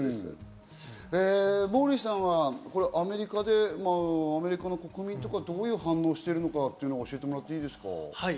モーリーさんはアメリカで、アメリカの国民とか、どういう反応してるのか教えてもらっていいですか？